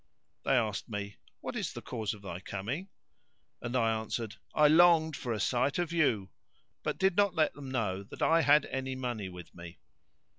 They asked me, "What is the cause of thy coming?"; and I answered "I longed for a sight of you;" but did not let them know that I had any money with me.